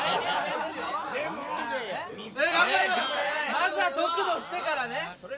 まずは得度してからね。